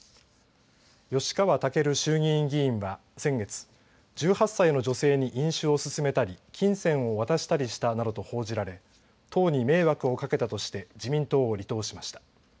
吉川赳衆議院議員は先月１８歳の女性に飲酒を勧めたり金銭を渡したりしたなどと報じられ党に迷惑をかけたとして自民党を離党しました。